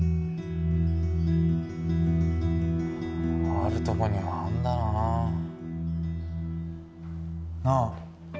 あるとこにはあんだなあなあ？